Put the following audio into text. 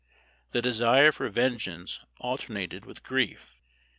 The desire for vengeance alternated with grief.